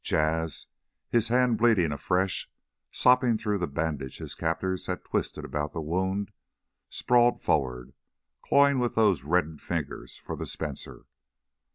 Jas', his hand bleeding afresh, sopping through the bandage his captors had twisted about the wound, sprawled forward, clawing with those reddened fingers for the Spencer.